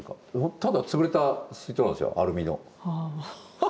ただ潰れた水筒なんですよアルミの。